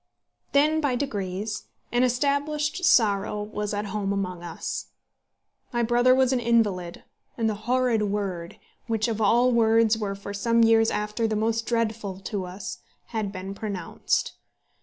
Then, by degrees, an established sorrow was at home among us. My brother was an invalid, and the horrid word, which of all words were for some years after the most dreadful to us, had been pronounced.